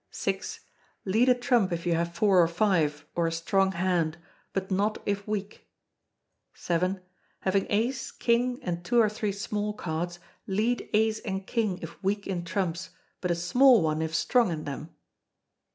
vi. Lead a trump if you have four or five, or a strong hand; but not if weak. vii. Having ace, king, and two or three small cards, lead ace and king if weak in trumps, but a small one if strong in them.